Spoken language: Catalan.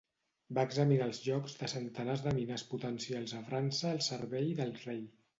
Va examinar els llocs de centenars de mines potencials a França al servei del rei.